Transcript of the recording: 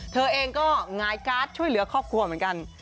เธอเองก็หงายการ์ดช่วยเหลือครอบครัวเหมือนกัน